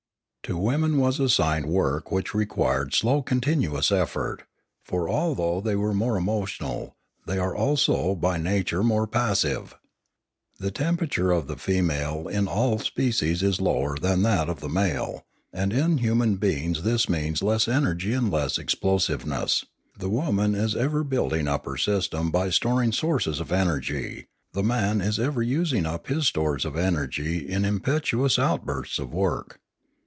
To women was assigned work which required slow continuous effort; for although they are more emo tional, they are also by nature more passive. The temperature of the female in all species is lower than that of the male, and in human beings this means less energy and less explosiveness; the woman is ever building up her system by storing sources of energy, the man is ever using up his stores of energy in im petuous outbursts of work.